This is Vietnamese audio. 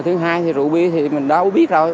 thứ hai thì rượu bia thì mình đau biết rồi